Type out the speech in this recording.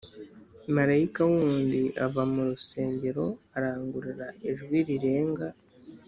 Marayika wundi ava mu rusengero arangurura ijwi rirenga,